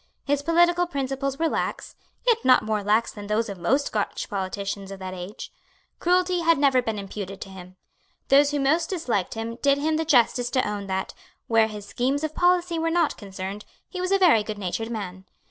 His political principles were lax, yet not more lax than those of most Scotch politicians of that age. Cruelty had never been imputed to him. Those who most disliked him did him the justice to own that, where his schemes of policy were not concerned, he was a very goodnatured man.